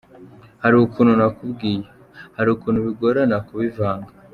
Hari ukuntu nakubwiye, hari ukuntu bigorana kubivanga.